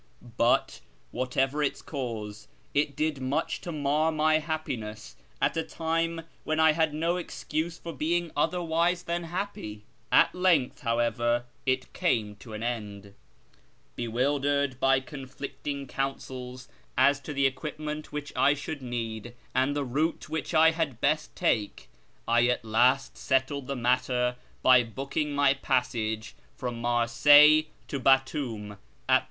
But, whatever its cause, it did much to mar my happiness at a time when I had no excuse for being otherwise than happy. At length, how ever, it came to an end. Bewildered by conflicting counsels 1 8 A YEAR AMONGST THE PERSIANS as to tlu' iviuipineiit which I shoiihl need and the route whicli T had best take, 1 at hist settled the matter hy bookintr niy jiassaj^e from IMarsoilles to l^atoinn at tlic T.